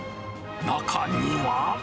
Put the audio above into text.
中には。